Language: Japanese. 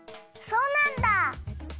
そうなんだ！